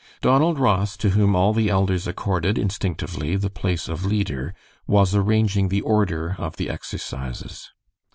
Donald Ross, to whom all the elders accorded, instinctively, the place of leader, was arranging the order of "the exercises."